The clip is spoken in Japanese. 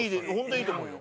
いいと思うよ。